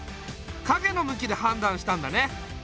かげの向きではんだんしたんだね。